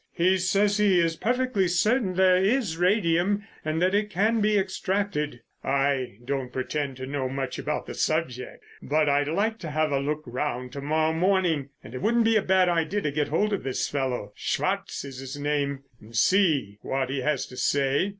He says he is perfectly certain there is radium and that it can be extracted. I don't pretend to know much about the subject, but I'd like to have a look round to morrow morning, and it wouldn't be a bad idea to get hold of this fellow—Swartz is his name—and see what he has to say.